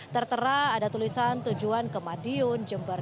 tertera ada tulisan tujuan ke madiun jember